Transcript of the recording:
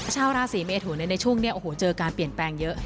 ชาวราศีเมทุนในช่วงนี้โอ้โหเจอการเปลี่ยนแปลงเยอะ